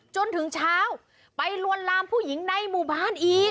จนถึงเช้าไปลวนลามผู้หญิงในหมู่บ้านอีก